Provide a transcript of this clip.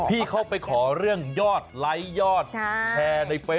พี่ไปขอเรื่องยอดไล่ยอด